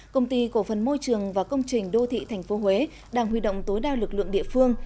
công ty cổ phần môi trường và công trình đô thị tp huế đang huy động tối đa lực lượng địa phương